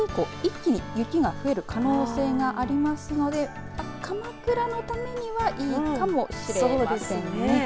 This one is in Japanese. ただ、あす以降、一気に雪が増える可能性がありますのでかまくらのためにはいいかもしれませんね。